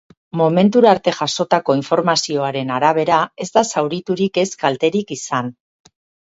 Momentura arte jasotako informazioaren arabera, ez da zauriturik ez kalterik izan.